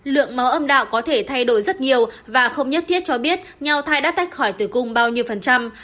lượng máu âm đạo có thể thay đổi rất nhiều và không nhất thiết cho biết nhau thai đã tách khỏi tử cung bao nhiêu phần trăm